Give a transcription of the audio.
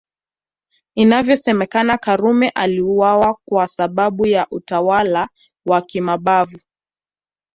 Inavyosemekana Karume aliuawa kwa sababu ya utawala wa kimabavu